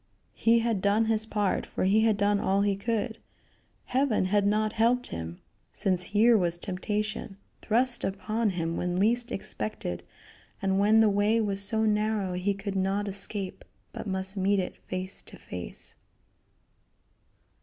He had done his part, for he had done all he could. Heaven had not helped him, since here was temptation thrust upon him when least expected, and when the way was so narrow he could not escape, but must meet it face to face.